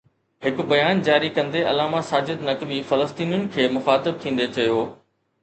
هڪ بيان جاري ڪندي علامه ساجد نقوي فلسطينين کي مخاطب ٿيندي چيو